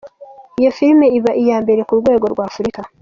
Iyo filime iba iya mbere ku rwego rw’ Afurika.